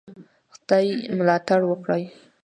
خدای ملاتړ وکړی.